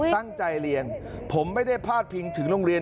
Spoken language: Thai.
ตั้งใจเรียนผมไม่ได้พาดพิงถึงโรงเรียน